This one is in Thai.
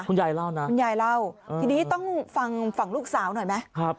คุณยายเล่าทีนี้ต้องฟังลูกสาวหน่อยไหม